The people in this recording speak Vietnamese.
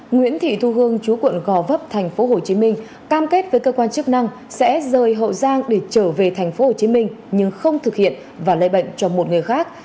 nguyễn thị thu hương chú quận gò vấp tp hcm cam kết với cơ quan chức năng sẽ rời hậu giang để trở về tp hcm nhưng không thực hiện và lây bệnh cho một người khác